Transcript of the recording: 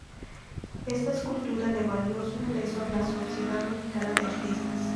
Esta escultura le valió su ingreso a la Sociedad Mexicana de Artistas.